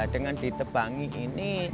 dengan ditebangi ini